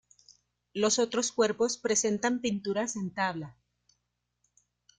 Los otros cuerpos presentan pinturas en tabla.